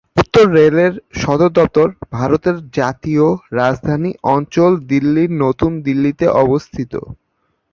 উত্তর রেলের সদরদপ্তর ভারতের জাতীয় রাজধানী অঞ্চল দিল্লীর নতুন দিল্লীতে অবস্থিত।